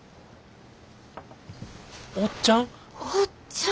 おっちゃん！